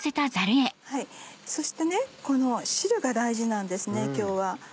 そしてねこの汁が大事なんですね今日は。